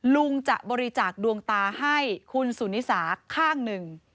ลุงจะบริจาคดวงตาให้คุณสุนิสาข้างหนึ่ง